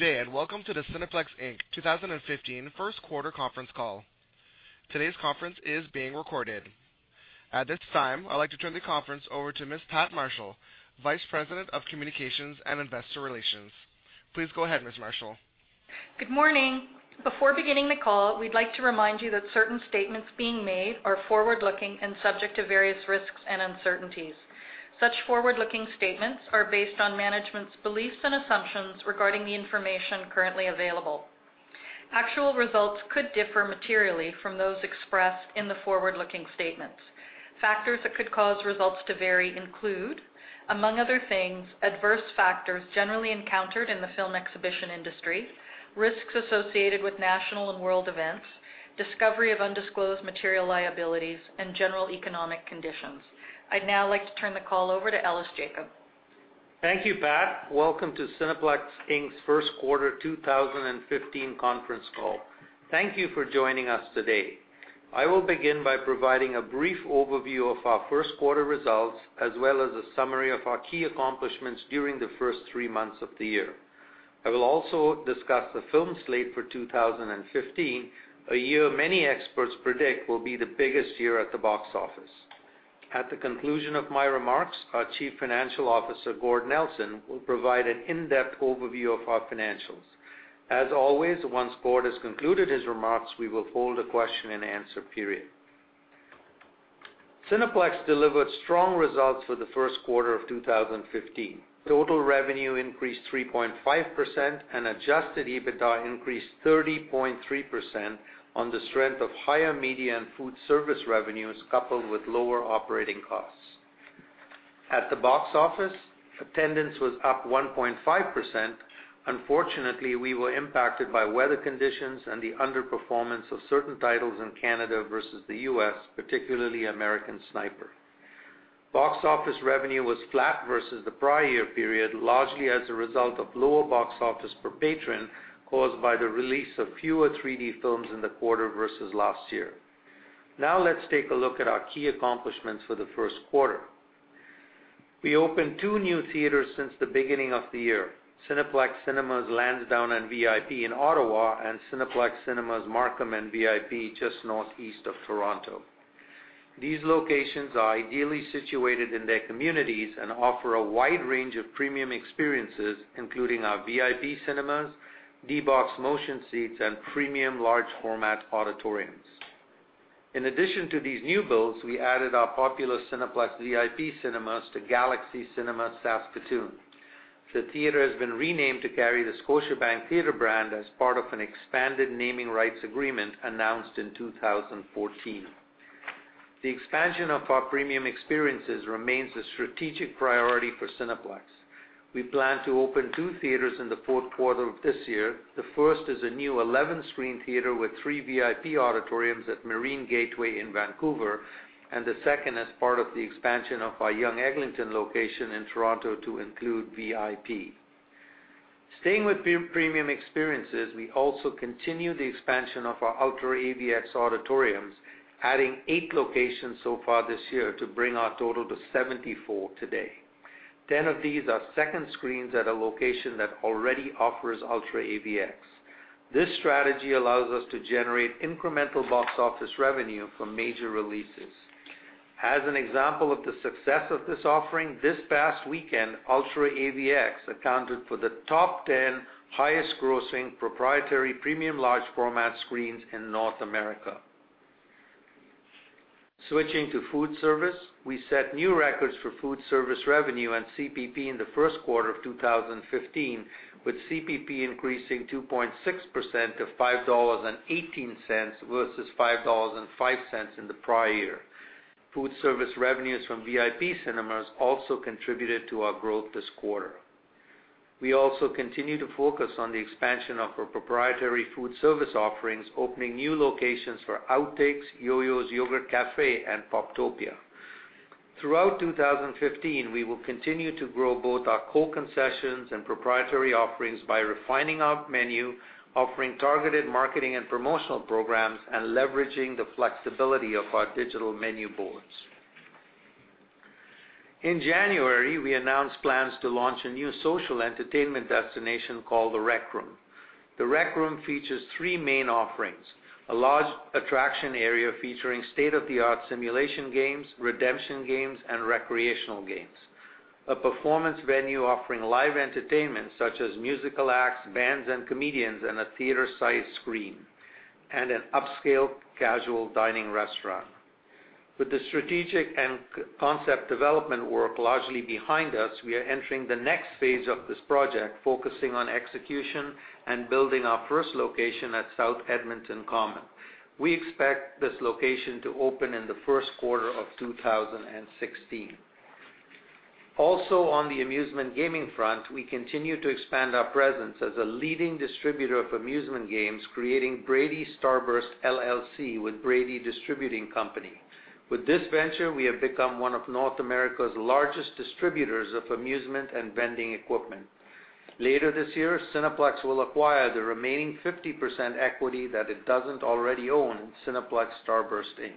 Good day, welcome to the Cineplex Inc. 2015 first quarter conference call. Today's conference is being recorded. At this time, I'd like to turn the conference over to Ms. Pat Marshall, Vice President of Communications and Investor Relations. Please go ahead, Ms. Marshall. Good morning. Before beginning the call, we'd like to remind you that certain statements being made are forward-looking and subject to various risks and uncertainties. Such forward-looking statements are based on management's beliefs and assumptions regarding the information currently available. Actual results could differ materially from those expressed in the forward-looking statements. Factors that could cause results to vary include, among other things, adverse factors generally encountered in the film exhibition industry, risks associated with national and world events, discovery of undisclosed material liabilities, and general economic conditions. I'd now like to turn the call over to Ellis Jacob. Thank you, Pat. Welcome to Cineplex Inc.'s first quarter 2015 conference call. Thank you for joining us today. I will begin by providing a brief overview of our first quarter results, as well as a summary of our key accomplishments during the first three months of the year. I will also discuss the film slate for 2015, a year many experts predict will be the biggest year at the box office. At the conclusion of my remarks, our Chief Financial Officer, Gord Nelson, will provide an in-depth overview of our financials. Always, once Gord has concluded his remarks, we will hold a question and answer period. Cineplex delivered strong results for the first quarter of 2015. Total revenue increased 3.5%, and adjusted EBITDA increased 30.3% on the strength of higher media and food service revenues coupled with lower operating costs. At the box office, attendance was up 1.5%. Unfortunately, we were impacted by weather conditions and the underperformance of certain titles in Canada versus the U.S., particularly "American Sniper". Box office revenue was flat versus the prior year period, largely as a result of lower box office per patron caused by the release of fewer 3D films in the quarter versus last year. Let's take a look at our key accomplishments for the first quarter. We opened two new theaters since the beginning of the year: Cineplex Cinemas Lansdowne and VIP in Ottawa and Cineplex Cinemas Markham and VIP just northeast of Toronto. These locations are ideally situated in their communities and offer a wide range of premium experiences, including our VIP Cinemas, D-BOX motion seats, and premium large-format auditoriums. In addition to these new builds, we added our popular Cineplex VIP Cinemas to Galaxy Cinemas Saskatoon. The theater has been renamed to carry the Scotiabank Theatre brand as part of an expanded naming rights agreement announced in 2014. The expansion of our premium experiences remains a strategic priority for Cineplex. We plan to open two theaters in the Q4 of this year. The first is a new 11-screen theater with three VIP auditoriums at Marine Gateway in Vancouver, and the second as part of the expansion of our Yonge-Eglinton location in Toronto to include VIP. Staying with premium experiences, we also continue the expansion of our UltraAVX auditoriums, adding eight locations so far this year to bring our total to 74 today. 10 of these are second screens at a location that already offers UltraAVX. This strategy allows us to generate incremental box office revenue from major releases. As an example of the success of this offering, this past weekend, UltraAVX accounted for the top 10 highest-grossing proprietary premium large-format screens in North America. Switching to food service, we set new records for food service revenue and CPP in the Q1 of 2015, with CPP increasing 2.6% to 5.18 versus 5.05 dollars in the prior year. Food service revenues from VIP Cinemas also contributed to our growth this quarter. We also continue to focus on the expansion of our proprietary food service offerings, opening new locations for Outtakes, Yoyo's Yogurt Cafe, and Poptopia. Throughout 2015, we will continue to grow both our core concessions and proprietary offerings by refining our menu, offering targeted marketing and promotional programs, and leveraging the flexibility of our digital menu boards. In January, we announced plans to launch a new social entertainment destination called The Rec Room. The Rec Room features three main offerings, a large attraction area featuring state-of-the-art simulation games, redemption games, and recreational games. A performance venue offering live entertainment such as musical acts, bands, and comedians, and a theater-sized screen, and an upscale casual dining restaurant. With the strategic and concept development work largely behind us, we are entering the next phase of this project, focusing on execution and building our first location at South Edmonton Common. We expect this location to open in the Q1 of 2016. Also on the amusement gaming front, we continue to expand our presence as a leading distributor of amusement games, creating Brady Starburst LLC with Brady Distributing Company. With this venture, we have become one of North America's largest distributors of amusement and vending equipment. Later this year, Cineplex will acquire the remaining 50% equity that it doesn't already own in Cineplex Starburst Inc.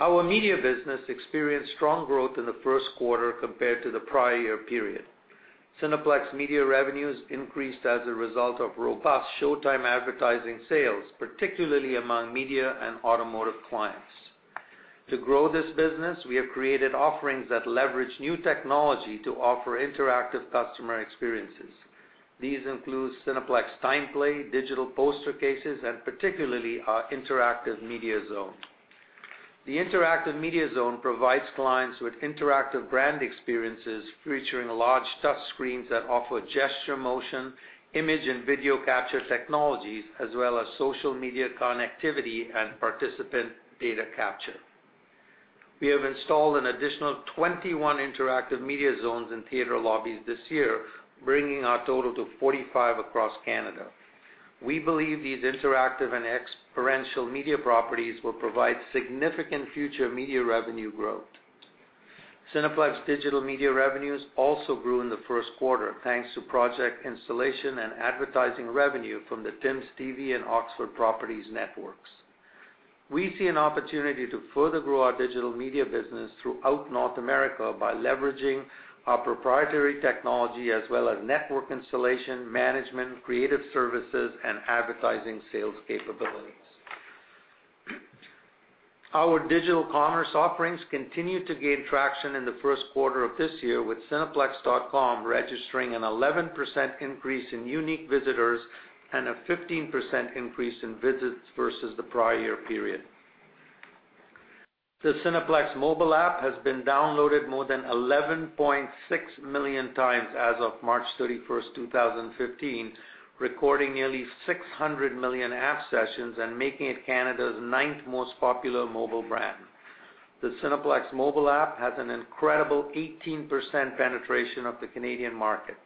Our media business experienced strong growth in the Q1 compared to the prior year period. Cineplex Media revenues increased as a result of robust showtime advertising sales, particularly among media and automotive clients. We have created offerings that leverage new technology to offer interactive customer experiences. These include Cineplex TimePlay, digital poster cases, and particularly our Interactive Media Zone. The Interactive Media Zone provides clients with interactive brand experiences featuring large touch screens that offer gesture, motion, image, and video capture technologies, as well as social media connectivity and participant data capture. We have installed an additional 21 Interactive Media Zones in theater lobbies this year, bringing our total to 45 across Canada. We believe these interactive and experiential media properties will provide significant future media revenue growth. Cineplex Digital Media revenues also grew in the first quarter, thanks to project installation and advertising revenue from the TimsTV and Oxford Properties networks. We see an opportunity to further grow our digital media business throughout North America by leveraging our proprietary technology as well as network installation, management, creative services, and advertising sales capabilities. Our digital commerce offerings continued to gain traction in the first quarter of this year, with cineplex.com registering an 11% increase in unique visitors and a 15% increase in visits versus the prior year period. The Cineplex mobile app has been downloaded more than 11.6 million times as of March 31st, 2015, recording nearly 600 million app sessions and making it Canada's ninth most popular mobile brand. The Cineplex mobile app has an incredible 18% penetration of the Canadian market.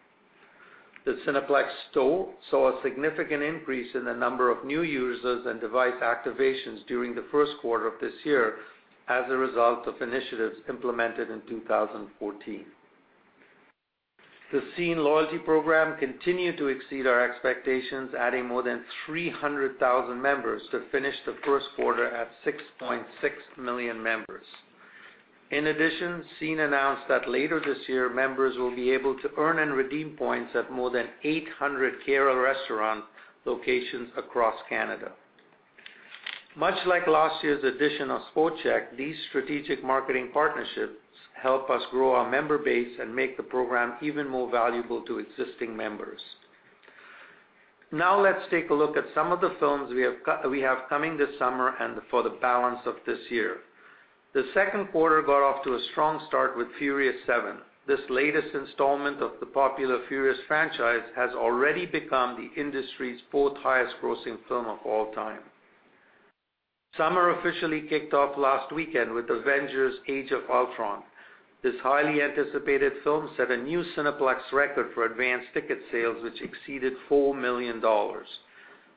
The Cineplex Store saw a significant increase in the number of new users and device activations during the first quarter of this year as a result of initiatives implemented in 2014. The SCENE loyalty program continued to exceed our expectations, adding more than 300,000 members to finish the first quarter at 6.6 million members. In addition, SCENE announced that later this year, members will be able to earn and redeem points at more than 800 Cara Operations Limited locations across Canada. Much like last year's addition of Sport Chek, these strategic marketing partnerships help us grow our member base and make the program even more valuable to existing members. Now let's take a look at some of the films we have coming this summer and for the balance of this year. The second quarter got off to a strong start with "Furious 7." This latest installment of the popular "Furious" franchise has already become the industry's fourth highest-grossing film of all time. Summer officially kicked off last weekend with "Avengers: Age of Ultron." This highly anticipated film set a new Cineplex record for advance ticket sales, which exceeded 4 million dollars.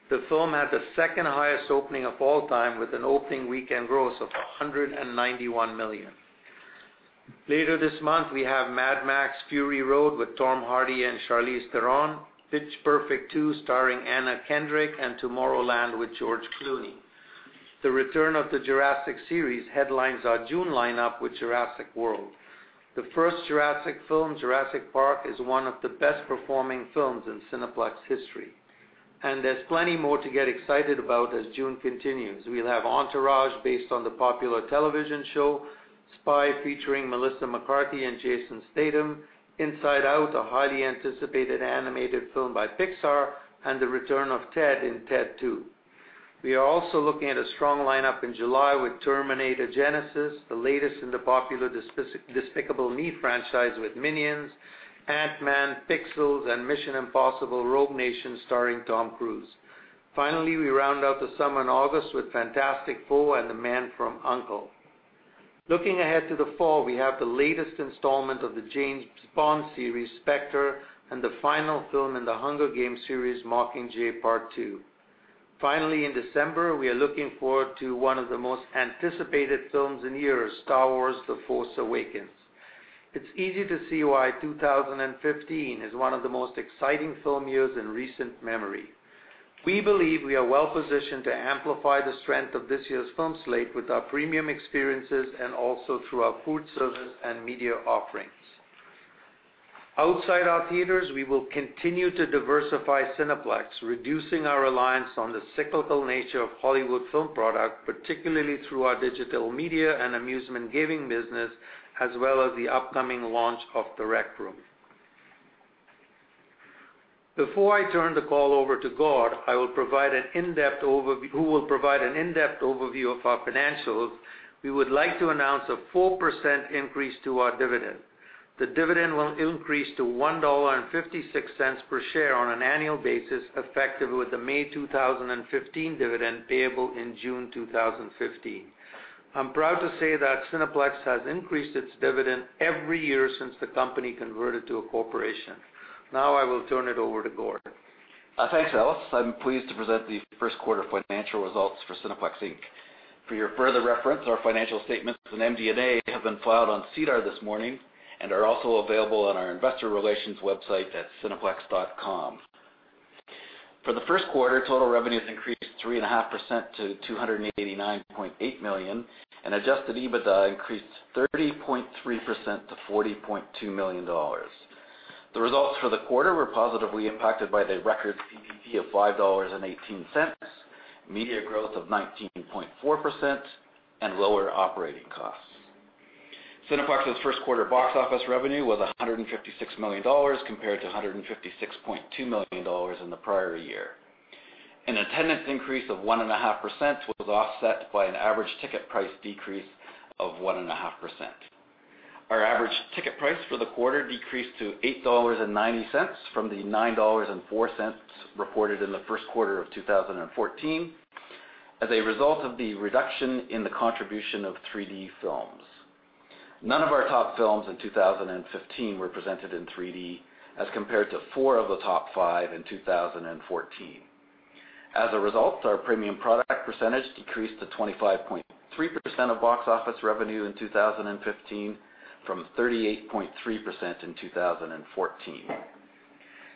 The film had the second-highest opening of all time with an opening weekend gross of 191 million. Later this month, we have "Mad Max: Fury Road" with Tom Hardy and Charlize Theron, "Pitch Perfect 2" starring Anna Kendrick, and "Tomorrowland" with George Clooney. The return of the Jurassic series headlines our June lineup with "Jurassic World." The first Jurassic film, "Jurassic Park," is one of the best-performing films in Cineplex's history. There's plenty more to get excited about as June continues. We'll have "Entourage", based on the popular television show, "Spy", featuring Melissa McCarthy and Jason Statham, "Inside Out", a highly anticipated animated film by Pixar, and the return of Ted in "Ted 2". We are also looking at a strong lineup in July with "Terminator Genisys", the latest in the popular "Despicable Me" franchise with "Minions", "Ant-Man", "Pixels", and "Mission: Impossible - Rogue Nation" starring Tom Cruise. Finally, we round out the summer in August with "Fantastic Four" and "The Man from U.N.C.L.E." Looking ahead to the fall, we have the latest installment of the James Bond series, "Spectre", and the final film in The Hunger Games series, "Mockingjay Part 2". Finally, in December, we are looking forward to one of the most anticipated films in years, "Star Wars: The Force Awakens". It's easy to see why 2015 is one of the most exciting film years in recent memory. We believe we are well-positioned to amplify the strength of this year's film slate with our premium experiences and also through our food service and media offerings. Outside our theaters, we will continue to diversify Cineplex, reducing our reliance on the cyclical nature of Hollywood film product, particularly through our digital media and amusement gaming business, as well as the upcoming launch of The Rec Room. Before I turn the call over to Gord, who will provide an in-depth overview of our financials, we would like to announce a 4% increase to our dividend. The dividend will increase to 1.56 dollar per share on an annual basis, effective with the May 2015 dividend, payable in June 2015. I'm proud to say that Cineplex has increased its dividend every year since the company converted to a corporation. Now, I will turn it over to Gord. Thanks, Ellis. I'm pleased to present the first quarter financial results for Cineplex Inc. For your further reference, our financial statements and MD&A have been filed on SEDAR this morning and are also available on our investor relations website at cineplex.com. For the first quarter, total revenues increased 3.5% to 289.8 million and adjusted EBITDA increased 30.3% to 40.2 million dollars. The results for the quarter were positively impacted by the record CPP of 5.18 dollars, media growth of 19.4%, and lower operating costs. Cineplex's first quarter box office revenue was 156 million dollars, compared to 156.2 million dollars in the prior year. An attendance increase of 1.5% was offset by an average ticket price decrease of 1.5%. Our average ticket price for the quarter decreased to 8.90 dollars from the 9.04 dollars reported in the first quarter of 2014 as a result of the reduction in the contribution of 3D films. None of our top films in 2015 were presented in 3D, as compared to four of the top five in 2014. As a result, our premium product percentage decreased to 25.3% of box office revenue in 2015 from 38.3% in 2014.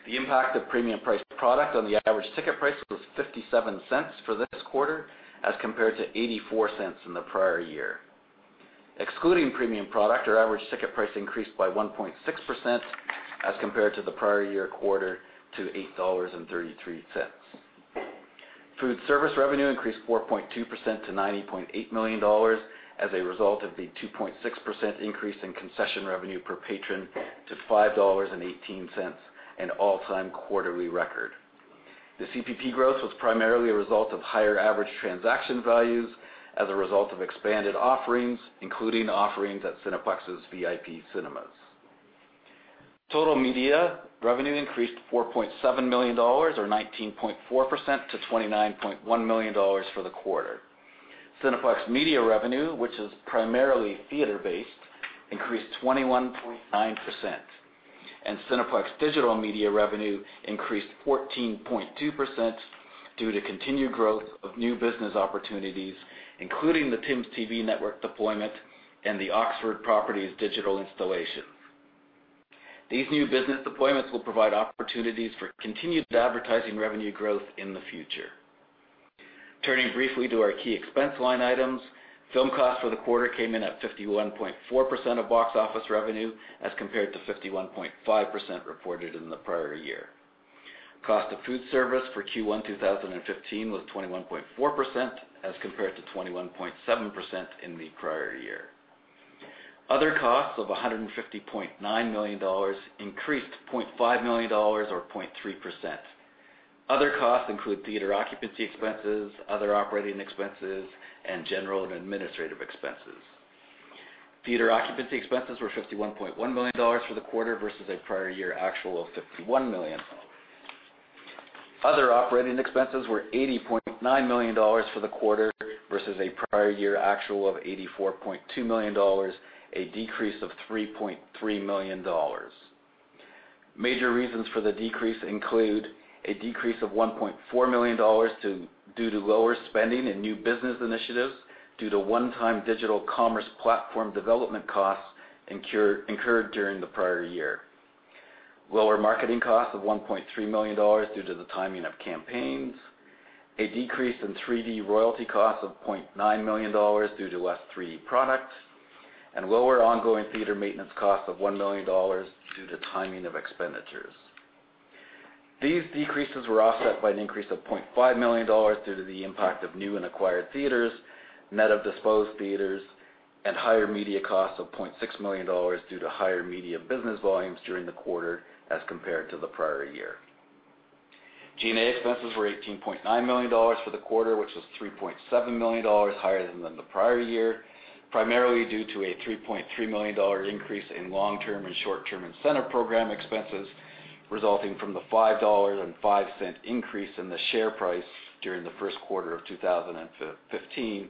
The impact of premium-priced product on the average ticket price was 0.57 for this quarter, as compared to 0.84 in the prior year. Excluding premium product, our average ticket price increased by 1.6% as compared to the prior year quarter to 8.33 dollars. Food service revenue increased 4.2% to 90.8 million dollars as a result of the 2.6% increase in concession revenue per patron to 5.18 dollars, an all-time quarterly record. The CPP growth was primarily a result of higher average transaction values as a result of expanded offerings, including offerings at Cineplex's VIP Cinemas. Total media revenue increased to 4.7 million dollars, or 19.4%, to 29.1 million dollars for the quarter. Cineplex Media revenue, which is primarily theater-based, increased 21.9%, and Cineplex Digital Media revenue increased 14.2% due to continued growth of new business opportunities, including the TimsTV network deployment and the Oxford Properties digital installations. These new business deployments will provide opportunities for continued advertising revenue growth in the future. Turning briefly to our key expense line items. Film cost for the quarter came in at 51.4% of box office revenue as compared to 51.5% reported in the prior year. Cost of food service for Q1 2015 was 21.4% as compared to 21.7% in the prior year. Other costs of 150.9 million dollars increased to 0.5 million dollars, or 0.3%. Other costs include theater occupancy expenses, other operating expenses, and general and administrative expenses. Theater occupancy expenses were 51.1 million dollars for the quarter versus a prior year actual of 51 million. Other operating expenses were 80.9 million dollars for the quarter versus a prior year actual of 84.2 million dollars, a decrease of 3.3 million dollars. Major reasons for the decrease include a decrease of 1.4 million dollars due to lower spending in new business initiatives due to one-time digital commerce platform development costs incurred during the prior year. Lower marketing costs of 1.3 million dollars due to the timing of campaigns, a decrease in 3D royalty costs of 0.9 million dollars due to less 3D product, and lower ongoing theater maintenance costs of 1 million dollars due to timing of expenditures. These decreases were offset by an increase of 0.5 million dollars due to the impact of new and acquired theaters, net of disposed theaters and higher media costs of 0.6 million dollars due to higher media business volumes during the quarter as compared to the prior year. G&A expenses were 18.9 million dollars for the quarter, which was 3.7 million dollars higher than the prior year, primarily due to a 3.3 million dollar increase in long-term and short-term incentive program expenses resulting from the 5.05 dollars increase in the share price during the first quarter of 2015,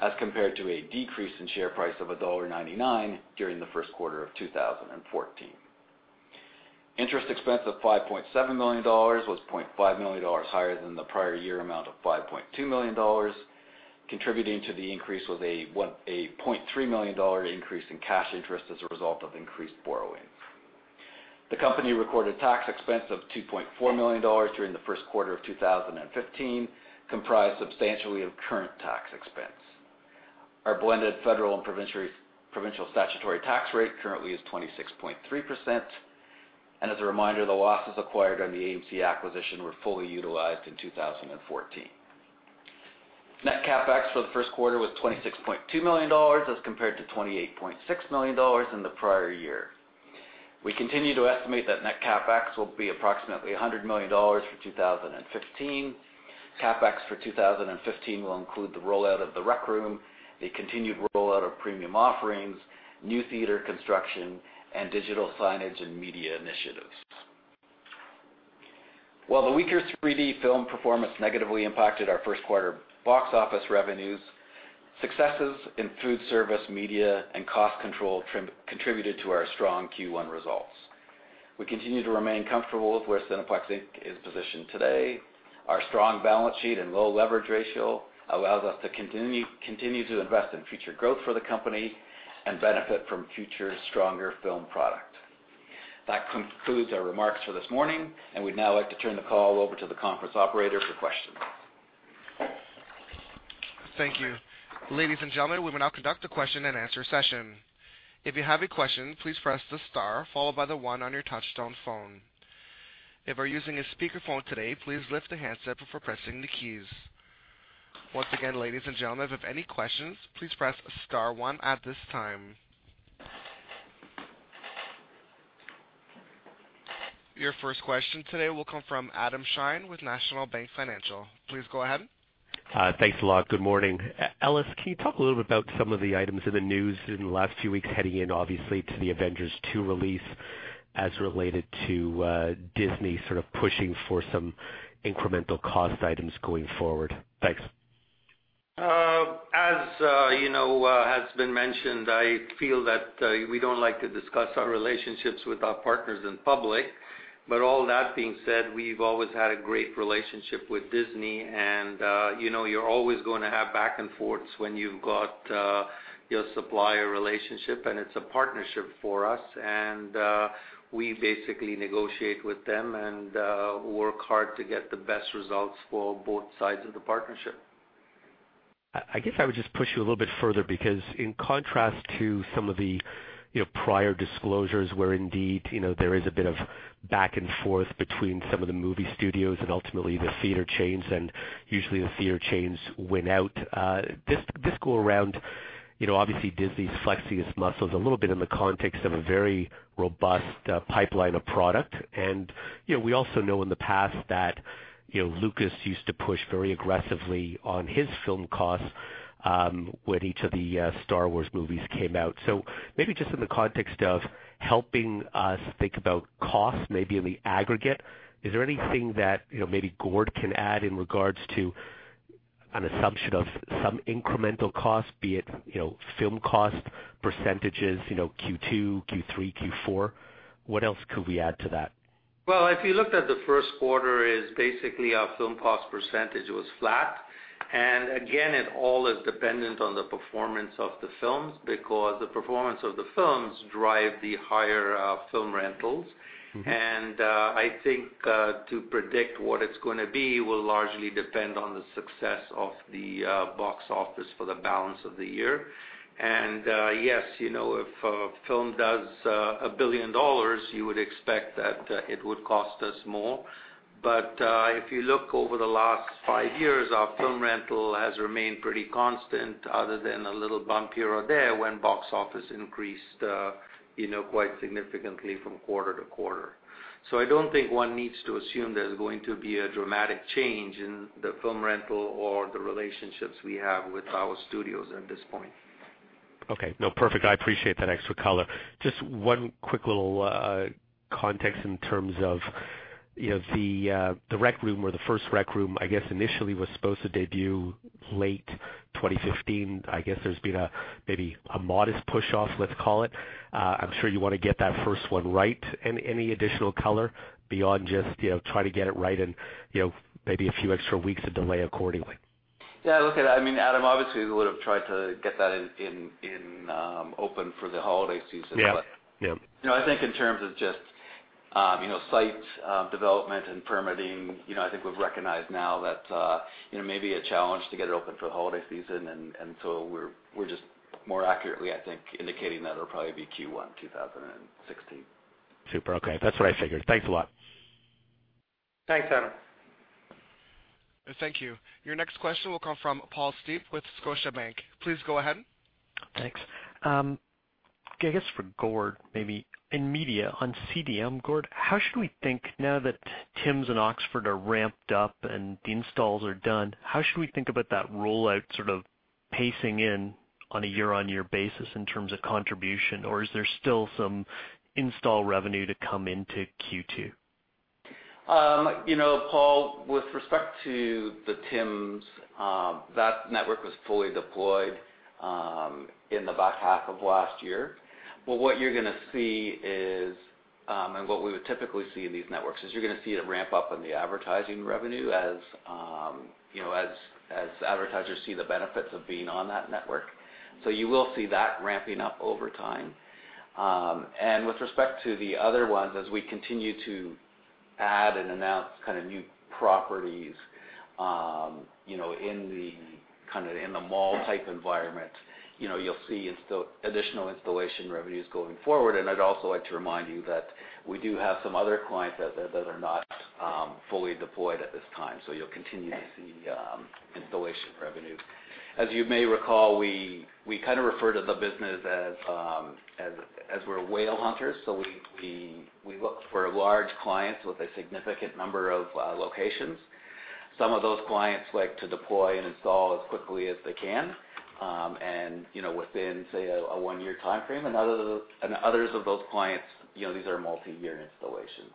as compared to a decrease in share price of dollar 1.99 during the first quarter of 2014. Interest expense of 5.7 million dollars was 0.5 million dollars higher than the prior year amount of 5.2 million dollars. Contributing to the increase was a 0.3 million dollar increase in cash interest as a result of increased borrowing. The company recorded tax expense of 2.4 million dollars during the first quarter of 2015, comprised substantially of current tax expense. Our blended federal and provincial statutory tax rate currently is 26.3%. As a reminder, the losses acquired on the AMC acquisition were fully utilized in 2014. Net CapEx for the first quarter was 26.2 million dollars as compared to 28.6 million dollars in the prior year. We continue to estimate that net CapEx will be approximately 100 million dollars for 2015. CapEx for 2015 will include the rollout of The Rec Room, a continued rollout of premium offerings, new theater construction, and digital signage and media initiatives. While the weaker 3D film performance negatively impacted our first quarter box office revenues, successes in food service, media, and cost control contributed to our strong Q1 results. We continue to remain comfortable with where Cineplex Inc. is positioned today. Our strong balance sheet and low leverage ratio allows us to continue to invest in future growth for the company and benefit from future stronger film product. That concludes our remarks for this morning. We'd now like to turn the call over to the conference operator for questions. Thank you. Ladies and gentlemen, we will now conduct a question-and-answer session. If you have a question, please press the star followed by the 1 on your touch-tone phone. If you're using a speakerphone today, please lift the handset before pressing the keys. Once again, ladies and gentlemen, if you have any questions, please press star 1 at this time. Your first question today will come from Adam Shine with National Bank Financial. Please go ahead. Thanks a lot. Good morning. Ellis, can you talk a little bit about some of the items in the news in the last few weeks heading in obviously to the Avengers Two release as related to Disney sort of pushing for some incremental cost items going forward? Thanks. As has been mentioned, I feel that we don't like to discuss our relationships with our partners in public. All that being said, we've always had a great relationship with Disney, and you're always going to have back and forth when you've got your supplier relationship, and it's a partnership for us. We basically negotiate with them and work hard to get the best results for both sides of the partnership. I guess I would just push you a little bit further because in contrast to some of the prior disclosures where indeed, there is a bit of back and forth between some of the movie studios and ultimately the theater chains and usually the theater chains win out. This go around, obviously Disney's flexing its muscles a little bit in the context of a very robust pipeline of product. We also know in the past that Lucas used to push very aggressively on his film costs, when each of the Star Wars movies came out. Maybe just in the context of helping us think about costs, maybe in the aggregate, is there anything that maybe Gord can add in regards to an assumption of some incremental cost, be it film cost percentages Q2, Q3, Q4? What else could we add to that? Well, if you looked at the first quarter is basically our film cost percentage was flat. Again, it all is dependent on the performance of the films because the performance of the films drive the higher film rentals. I think to predict what it's going to be will largely depend on the success of the box office for the balance of the year. Yes, if a film does 1 billion dollars, you would expect that it would cost us more. But if you look over the last 5 years, our film rental has remained pretty constant other than a little bump here or there when box office increased quite significantly from quarter-to-quarter. I don't think one needs to assume there's going to be a dramatic change in the film rental or the relationships we have with our studios at this point. Okay. No, perfect. I appreciate that extra color. Just one quick little context in terms of The Rec Room or the first The Rec Room, I guess initially was supposed to debut late 2015. I guess there's been maybe a modest push-off, let's call it. I'm sure you want to get that first one right. Any additional color beyond just try to get it right and maybe a few extra weeks of delay accordingly? Adam, obviously we would've tried to get that open for the holiday season but. Yeah I think in terms of just site development and permitting, I think we've recognized now that it may be a challenge to get it open for the holiday season. We're just more accurately, I think, indicating that it'll probably be Q1 2016. Super. Okay. That's what I figured. Thanks a lot. Thanks, Adam. Thank you. Your next question will come from Paul Steep with Scotiabank. Please go ahead. Thanks. I guess for Gord, maybe in media on CDM, Gord, how should we think now that Tim's and Oxford are ramped up and the installs are done, how should we think about that rollout sort of pacing in on a year-on-year basis in terms of contribution? Is there still some install revenue to come into Q2? Paul, with respect to the Tim's, that network was fully deployed in the back half of last year. What you're going to see is, and what we would typically see in these networks is you're going to see it ramp up in the advertising revenue as advertisers see the benefits of being on that network. You will see that ramping up over time. With respect to the other ones, as we continue to add and announce kind of new properties in the mall-type environment. You'll see additional installation revenues going forward. I'd also like to remind you that we do have some other clients that are not fully deployed at this time, so you'll continue to see installation revenue. As you may recall, we kind of refer to the business as we're whale hunters. We look for large clients with a significant number of locations. Some of those clients like to deploy and install as quickly as they can. Within, say, a one-year timeframe, and others of those clients, these are multi-year installations.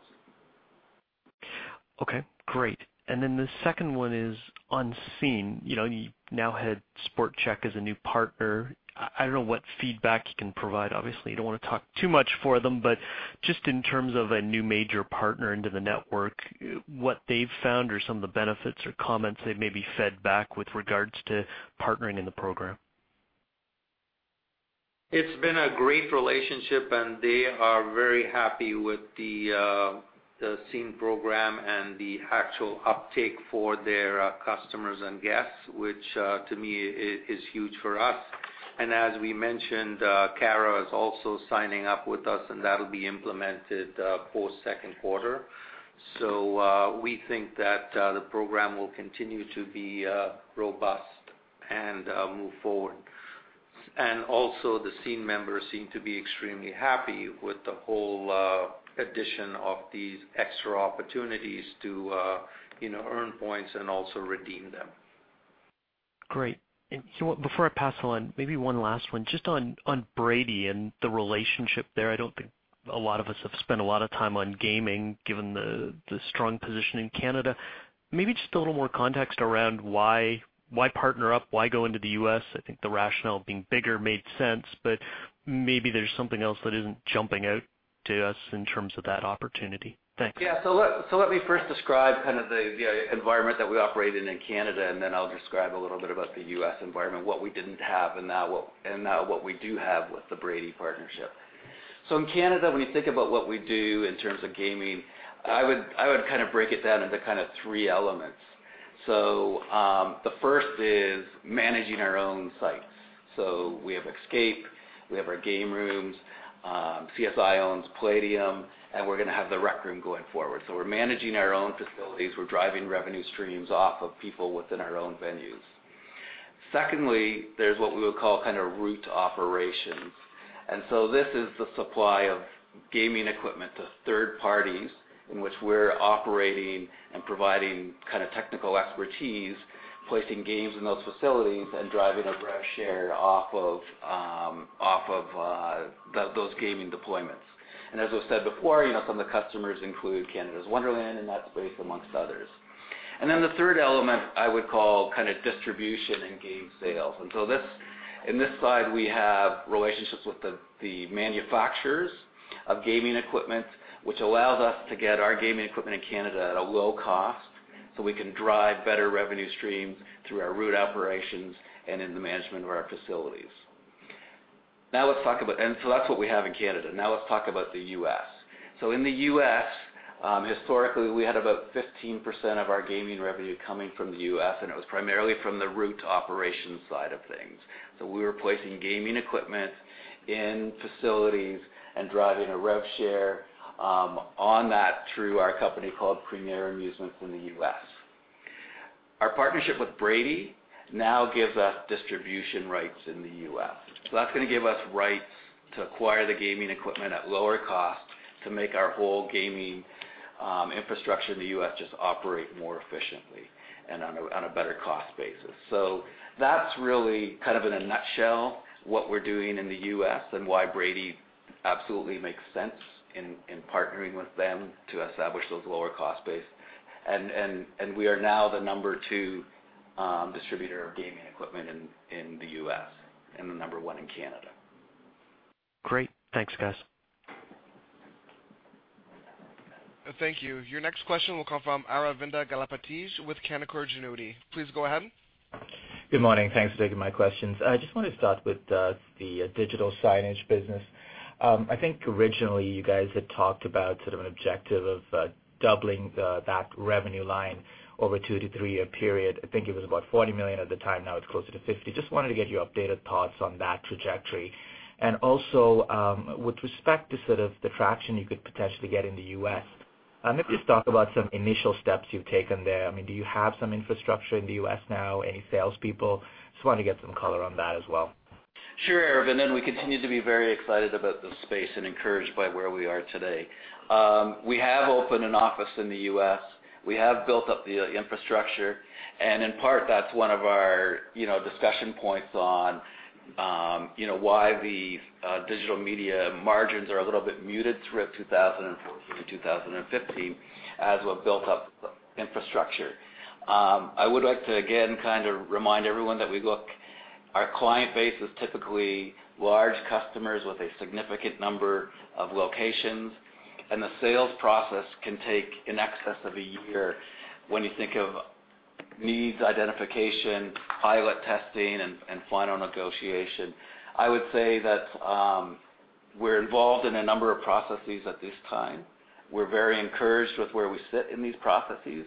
Okay, great. The second one is on SCENE. You now had Sport Chek as a new partner. I don't know what feedback you can provide. Obviously, you don't want to talk too much for them, but just in terms of a new major partner into the network, what they've found or some of the benefits or comments they may be fed back with regards to partnering in the program. It's been a great relationship, and they are very happy with the SCENE program and the actual uptake for their customers and guests, which to me is huge for us. As we mentioned, Cara is also signing up with us, and that'll be implemented post-second quarter. We think that the program will continue to be robust and move forward. Also, the SCENE members seem to be extremely happy with the whole addition of these extra opportunities to earn points and also redeem them. Great. Before I pass on, maybe one last one, just on Brady and the relationship there. I don't think a lot of us have spent a lot of time on gaming, given the strong position in Canada. Maybe just a little more context around why partner up, why go into the U.S. I think the rationale being bigger made sense, but maybe there's something else that isn't jumping out to us in terms of that opportunity. Thanks. Yeah. Let me first describe kind of the environment that we operate in Canada, and then I'll describe a little bit about the U.S. environment, what we didn't have, and now what we do have with the Brady partnership. In Canada, when you think about what we do in terms of gaming, I would kind of break it down into kind of three elements. The first is managing our own sites. We have Escape, we have our game rooms, CSI owns Playdium, and we're going to have The Rec Room going forward. We're managing our own facilities. We're driving revenue streams off of people within our own venues. Secondly, there's what we would call kind of route operations. This is the supply of gaming equipment to third parties, in which we're operating and providing kind of technical expertise, placing games in those facilities and driving a rev share off of those gaming deployments. As I've said before, some of the customers include Canada's Wonderland in that space, amongst others. Then the third element I would call kind of distribution and game sales. In this side, we have relationships with the manufacturers of gaming equipment, which allows us to get our gaming equipment in Canada at a low cost so we can drive better revenue streams through our route operations and in the management of our facilities. That's what we have in Canada. Now let's talk about the U.S. In the U.S., historically, we had about 15% of our gaming revenue coming from the U.S., and it was primarily from the route operations side of things. We were placing gaming equipment in facilities and driving a rev share on that through our company called Premier Amusements in the U.S. Our partnership with Brady now gives us distribution rights in the U.S. That's going to give us rights to acquire the gaming equipment at lower cost to make our whole gaming infrastructure in the U.S. just operate more efficiently and on a better cost basis. That's really kind of in a nutshell what we're doing in the U.S. and why Brady absolutely makes sense in partnering with them to establish those lower cost base. We are now the number 2 distributor of gaming equipment in the U.S. and the number 1 in Canada. Great. Thanks, Gord. Thank you. Your next question will come from Aravinda Galappatthige with Canaccord Genuity. Please go ahead. Good morning. Thanks for taking my questions. I just want to start with the digital signage business. I think originally you guys had talked about sort of an objective of doubling that revenue line over two to three-year period. I think it was about 40 million at the time, now it's closer to 50. Just wanted to get your updated thoughts on that trajectory. Also, with respect to sort of the traction you could potentially get in the U.S., maybe just talk about some initial steps you've taken there. I mean, do you have some infrastructure in the U.S. now, any salespeople? Just wanted to get some color on that as well. Sure, Aravinda. We continue to be very excited about this space and encouraged by where we are today. We have opened an office in the U.S. We have built up the infrastructure, in part, that's one of our discussion points on why the digital media margins are a little bit muted throughout 2014, 2015 as we've built up infrastructure. I would like to, again, kind of remind everyone that our client base is typically large customers with a significant number of locations, the sales process can take in excess of a year when you think of needs identification, pilot testing, final negotiation. I would say that we're involved in a number of processes at this time. We're very encouraged with where we sit in these processes,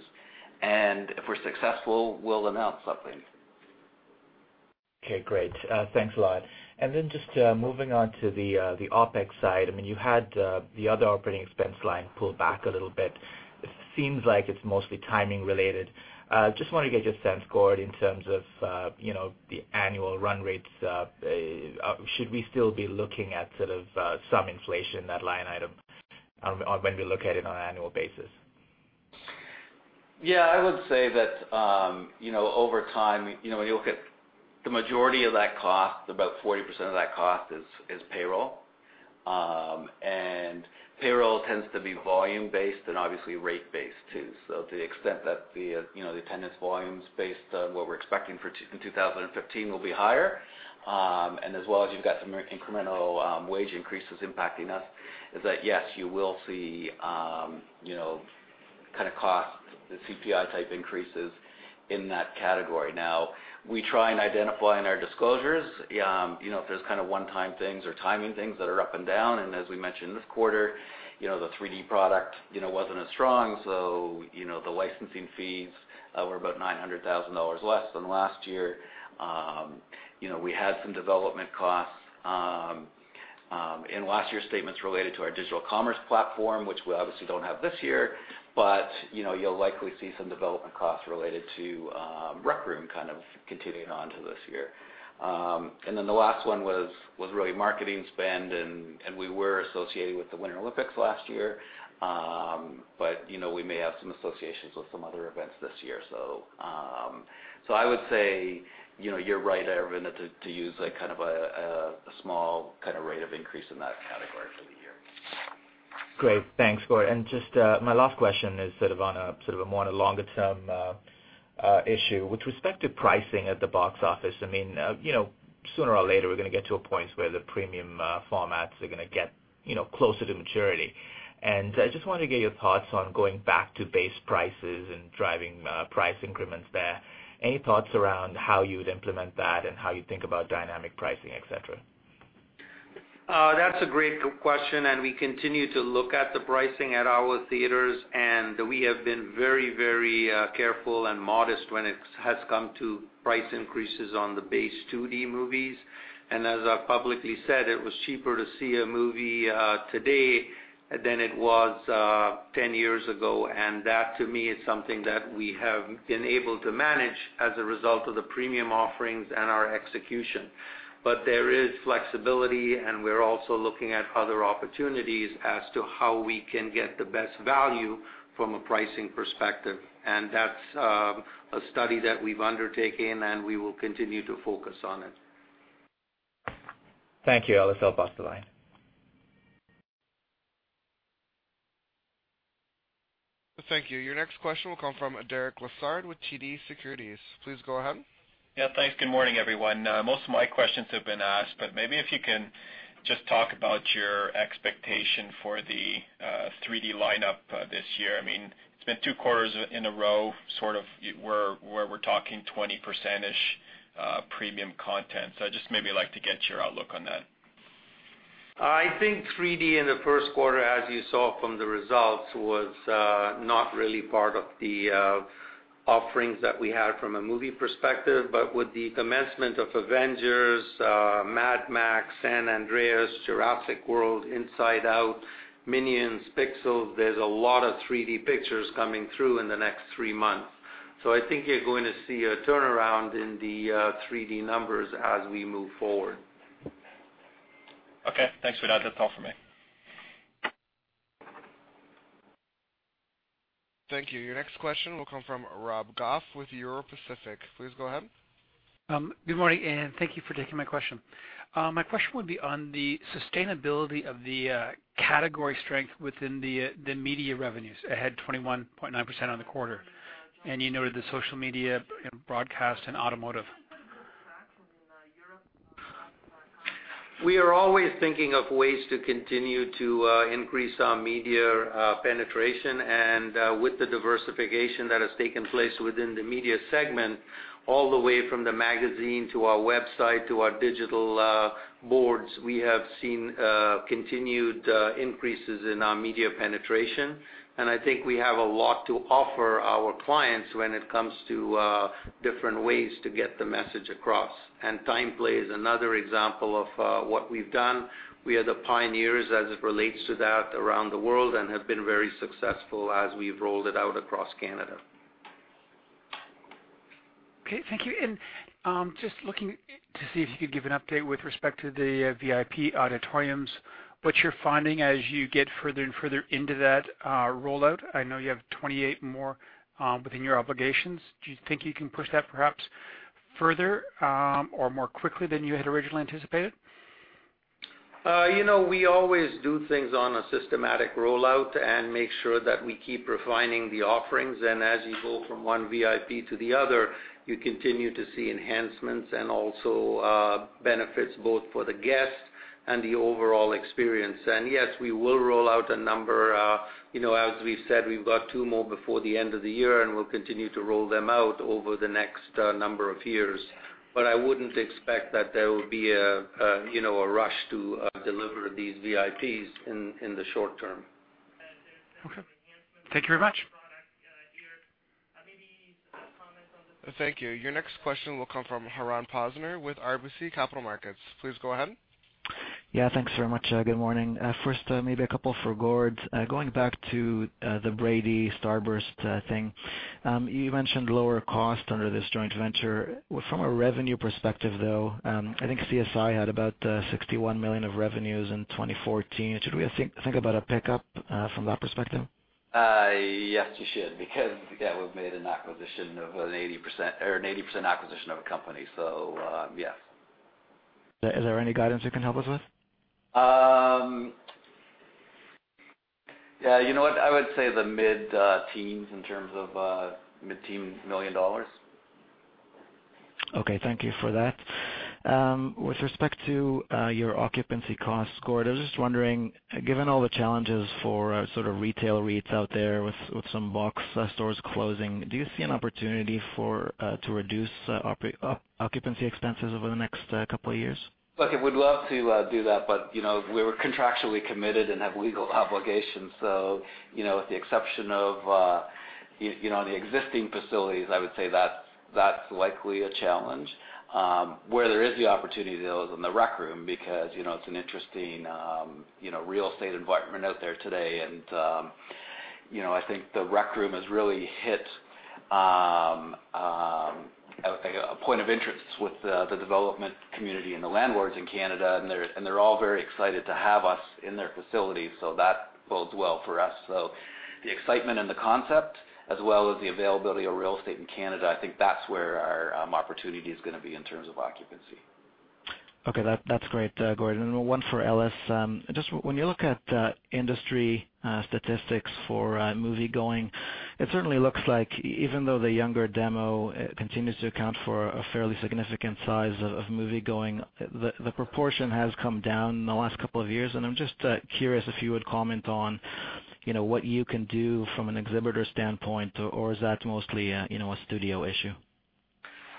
if we're successful, we'll announce something. Okay, great. Thanks a lot. Just moving on to the OpEx side. I mean, you had the other operating expense line pull back a little bit. It seems like it's mostly timing related. Just wanted to get your sense going in terms of the annual run rates. Should we still be looking at sort of some inflation in that line item when we look at it on an annual basis? Yeah, I would say that over time, when you look at the majority of that cost, about 40% of that cost is payroll. Payroll tends to be volume-based and obviously rate-based, too. To the extent that the attendance volumes based on what we're expecting for in 2015 will be higher, as well as you've got some incremental wage increases impacting us, yes, you will see kind of cost, the CPI type increases in that category. We try and identify in our disclosures, if there's one-time things or timing things that are up and down, as we mentioned this quarter, the 3D product wasn't as strong. The licensing fees were about 900,000 dollars less than last year. We had some development costs in last year's statements related to our digital commerce platform, which we obviously don't have this year. You'll likely see some development costs related to The Rec Room continuing on to this year. The last one was really marketing spend, we were associated with the Winter Olympics last year. We may have some associations with some other events this year. I would say you're right, Aravinda, to use a small rate of increase in that category for the year. Great. Thanks, Gord. My last question is more on a longer term issue. With respect to pricing at the box office, sooner or later, we're going to get to a point where the premium formats are going to get closer to maturity. I just wanted to get your thoughts on going back to base prices and driving price increments there. Any thoughts around how you would implement that and how you think about dynamic pricing, et cetera? That's a great question. We continue to look at the pricing at our theaters, and we have been very careful and modest when it has come to price increases on the base 2D movies. As I've publicly said, it was cheaper to see a movie today than it was 10 years ago. That to me, is something that we have been able to manage as a result of the premium offerings and our execution. There is flexibility, and we're also looking at other opportunities as to how we can get the best value from a pricing perspective. That's a study that we've undertaken, and we will continue to focus on it. Thank you. I'll step off the line. Thank you. Your next question will come from Derek Lessard with TD Securities. Please go ahead. Yeah, thanks. Good morning, everyone. Most of my questions have been asked. Maybe if you can just talk about your expectation for the 3D lineup this year. It's been two quarters in a row, sort of, where we're talking 20% premium content. I'd just maybe like to get your outlook on that. I think 3D in the first quarter, as you saw from the results, was not really part of the offerings that we had from a movie perspective. With the commencement of "Avengers," "Mad Max," "San Andreas," "Jurassic World," "Inside Out," "Minions," "Pixels," there's a lot of 3D pictures coming through in the next three months. I think you're going to see a turnaround in the 3D numbers as we move forward. Okay, thanks for that. That's all for me. Thank you. Your next question will come from Rob Goff with Euro Pacific. Please go ahead. Good morning, thank you for taking my question. My question would be on the sustainability of the category strength within the media revenues. It had 21.9% on the quarter. You noted the social media and broadcast and automotive. We are always thinking of ways to continue to increase our media penetration with the diversification that has taken place within the media segment, all the way from the magazine to our website to our digital boards, we have seen continued increases in our media penetration, and I think we have a lot to offer our clients when it comes to different ways to get the message across. TimePlay is another example of what we've done. We are the pioneers as it relates to that around the world and have been very successful as we've rolled it out across Canada. Okay, thank you. Just looking to see if you could give an update with respect to the VIP auditoriums, what you're finding as you get further and further into that rollout. I know you have 28 more within your obligations. Do you think you can push that perhaps further or more quickly than you had originally anticipated? We always do things on a systematic rollout and make sure that we keep refining the offerings. As you go from one VIP to the other, you continue to see enhancements and also benefits both for the guests and the overall experience. Yes, we will roll out a number. As we've said, we've got two more before the end of the year, and we'll continue to roll them out over the next number of years. I wouldn't expect that there will be a rush to deliver these VIPs in the short term. Okay. Thank you very much. Thank you. Your next question will come from Haran Posner with RBC Capital Markets. Please go ahead. Yeah, thanks very much. Good morning. First, maybe a couple for Gord. Going back to the Brady Starburst thing. You mentioned lower cost under this joint venture. From a revenue perspective, though, I think CSI had about 61 million of revenues in 2014. Should we think about a pickup from that perspective? Yes, you should, because, yeah, we've made an 80% acquisition of a company. Yes. Is there any guidance you can help us with? Yeah. You know what? I would say the mid-teens in terms of mid-teen million CAD. Okay, thank you for that. With respect to your occupancy cost, Gord, I was just wondering, given all the challenges for retail REITs out there with some box stores closing, do you see an opportunity to reduce occupancy expenses over the next couple of years? Look, we'd love to do that, but we were contractually committed and have legal obligations. With the exception of the existing facilities, I would say that's likely a challenge. Where there is the opportunity, though, is in The Rec Room because it's an interesting real estate environment out there today. I think The Rec Room has really hit a point of interest with the development community and the landlords in Canada, and they're all very excited to have us in their facilities. That bodes well for us. The excitement and the concept, as well as the availability of real estate in Canada, I think that's where our opportunity is going to be in terms of occupancy. Okay, that's great, Gord. Then one for Ellis. Just when you look at industry statistics for moviegoing, it certainly looks like even though the younger demo continues to account for a fairly significant size of moviegoing, the proportion has come down in the last couple of years. I'm just curious if you would comment on what you can do from an exhibitor standpoint, or is that mostly a studio issue?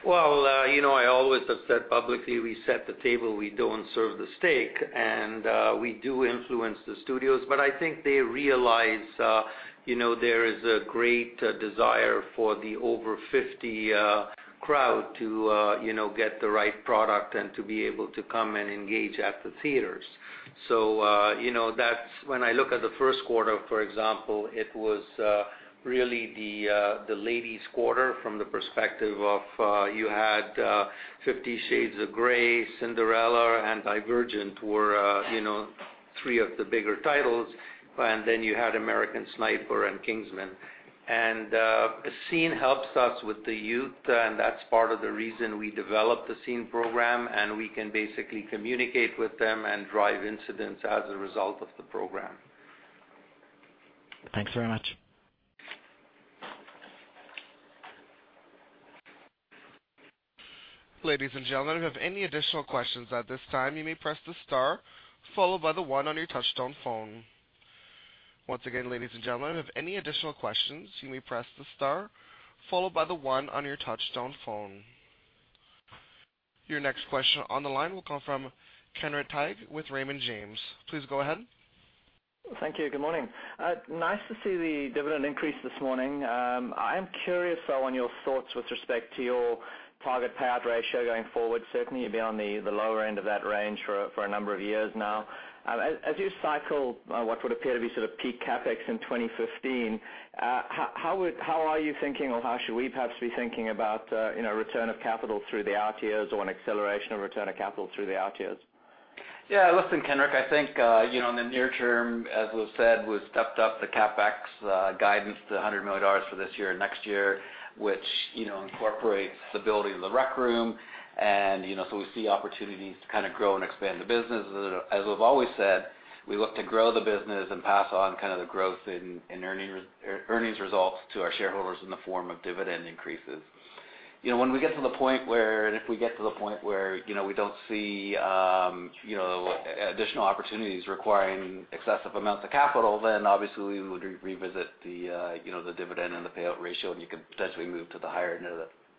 I always have said publicly, we set the table, we don't serve the steak. We do influence the studios, but I think they realize there is a great desire for the over 50 crowd to get the right product and to be able to come and engage at the theaters. When I look at the first quarter, for example, it was really the ladies' quarter from the perspective of you had "Fifty Shades of Grey", "Cinderella" and "Divergent" were three of the bigger titles. Then you had "American Sniper" and "Kingsman." SCENE helps us with the youth, and that's part of the reason we developed the SCENE program, and we can basically communicate with them and drive incidents as a result of the program. Thanks very much. Ladies and gentlemen, if you have any additional questions at this time, you may press the star followed by the one on your touchtone phone. Once again, ladies and gentlemen, if you have any additional questions, you may press the star followed by the one on your touchtone phone. Your next question on the line will come from Kenric Teich with Raymond James. Please go ahead. Thank you. Good morning. Nice to see the dividend increase this morning. I'm curious, though, on your thoughts with respect to your target payout ratio going forward. Certainly, you've been on the lower end of that range for a number of years now. As you cycle what would appear to be sort of peak CapEx in 2015, how are you thinking or how should we perhaps be thinking about return of capital through the out-years or an acceleration of return of capital through the out-years? Yeah, listen, Kenric, I think in the near term, as we've said, we've stepped up the CapEx guidance to 100 million dollars for this year and next year, which incorporates the building of The Rec Room. We see opportunities to grow and expand the business. As we've always said, we look to grow the business and pass on the growth in earnings results to our shareholders in the form of dividend increases. If we get to the point where we don't see additional opportunities requiring excessive amounts of capital, obviously we would revisit the dividend and the payout ratio, and you could potentially move to the higher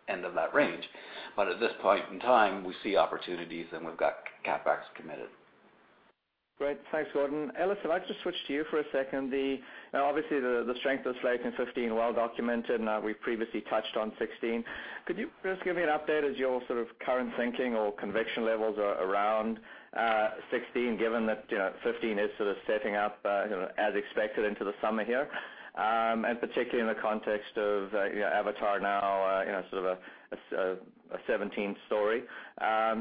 end of that range. At this point in time, we see opportunities, and we've got CapEx committed. Great. Thanks, Gord. Ellis, I'd like to switch to you for a second. Obviously, the strength of slate in 2015, well-documented, and we've previously touched on 2016. Could you just give me an update as your current thinking or conviction levels around 2016, given that 2015 is sort of setting up as expected into the summer here, and particularly in the context of Avatar now, sort of a 2017 story.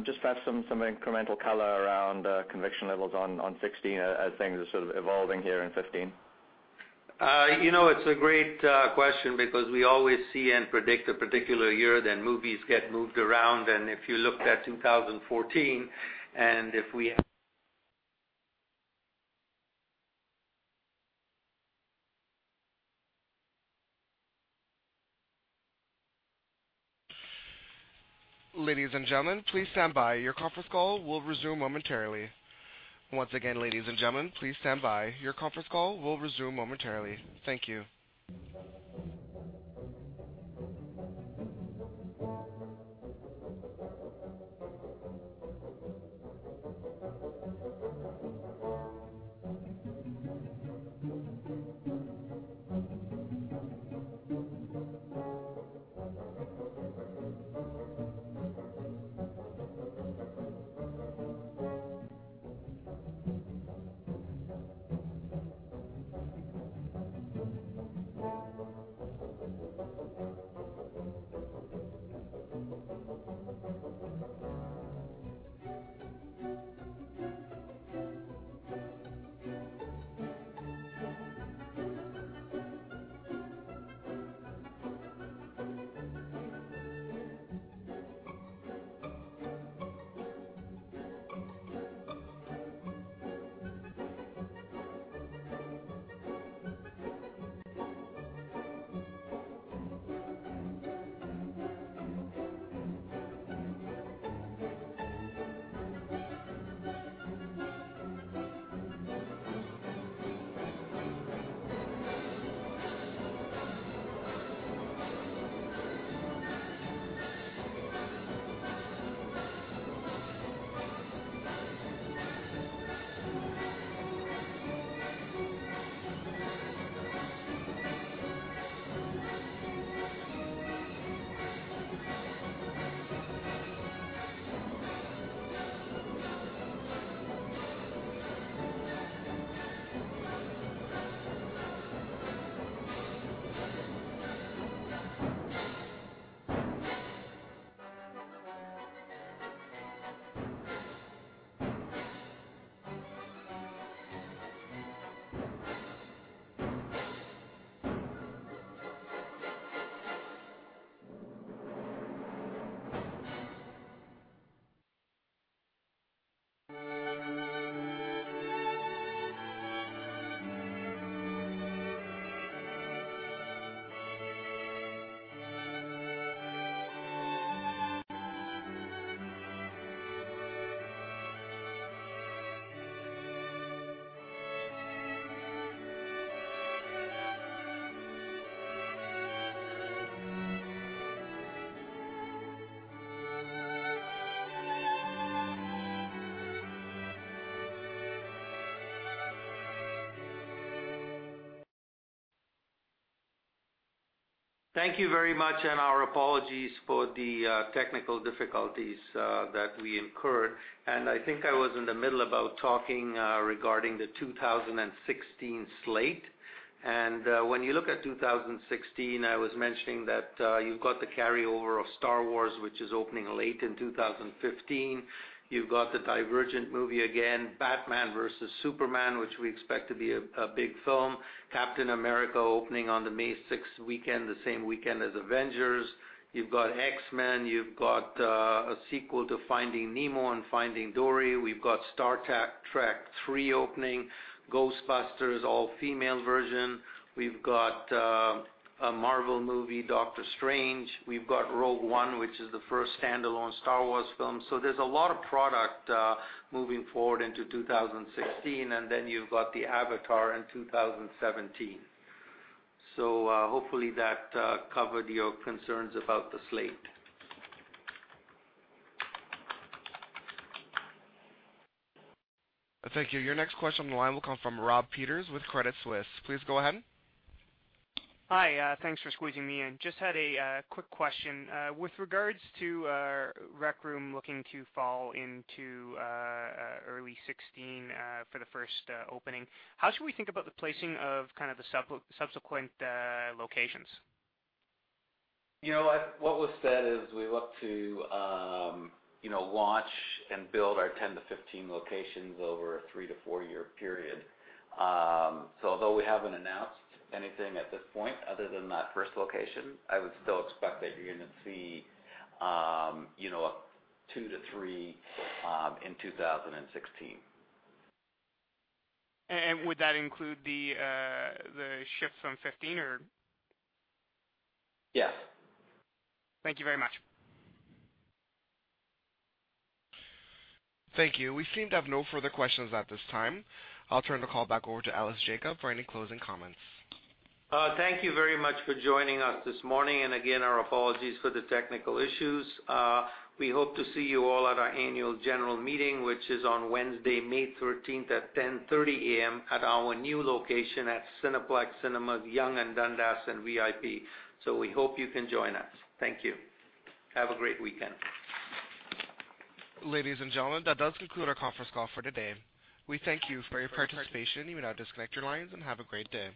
Just to have some incremental color around conviction levels on 2016 as things are evolving here in 2015. It's a great question because we always see and predict a particular year. Movies get moved around. If you looked at 2014, and if we- Ladies and gentlemen, please stand by. Your conference call will resume momentarily. Once again, ladies and gentlemen, please stand by. Your conference call will resume momentarily. Thank you. Thank you very much. Our apologies for the technical difficulties that we incurred. I think I was in the middle about talking regarding the 2016 slate. When you look at 2016, I was mentioning that you've got the carryover of "Star Wars," which is opening late in 2015. You've got the "Divergent" movie again, "Batman v Superman," which we expect to be a big film, "Captain America" opening on the May 6th weekend, the same weekend as "Avengers." You've got "X-Men," you've got a sequel to "Finding Nemo" in "Finding Dory." We've got "Star Trek 3" opening, "Ghostbusters," all-female version. We've got a Marvel movie, "Doctor Strange." We've got "Rogue One," which is the first standalone Star Wars film. There's a lot of product moving forward into 2016. Then you've got the "Avatar" in 2017. Hopefully that covered your concerns about the slate. Thank you. Your next question on the line will come from Rob Peters with Credit Suisse. Please go ahead. Hi. Thanks for squeezing me in. Just had a quick question. With regards to Rec Room looking to fall into early 2016 for the first opening, how should we think about the placing of the subsequent locations? What was said is we look to launch and build our 10-15 locations over a three- to four-year period. Although we haven't announced anything at this point, other than that first location, I would still expect that you're going to see two to three in 2016. Would that include the shift from 2015, or? Yes. Thank you very much. Thank you. We seem to have no further questions at this time. I'll turn the call back over to Ellis Jacob for any closing comments. Thank you very much for joining us this morning, again, our apologies for the technical issues. We hope to see you all at our annual general meeting, which is on Wednesday, May 13th at 10:30 A.M. at our new location at Cineplex Cinemas, Yonge and Dundas and VIP. We hope you can join us. Thank you. Have a great weekend. Ladies and gentlemen, that does conclude our conference call for today. We thank you for your participation. You may now disconnect your lines, and have a great day.